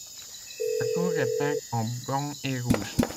La tour est peinte en blanc et rouge.